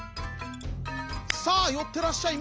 「さあよってらっしゃい。